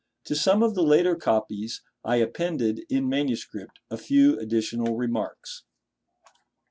To some of the later copies, I appended, in manuscript, a few additional remarks:— (1.)